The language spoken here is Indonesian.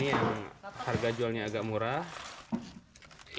yang harga jualnya agak murah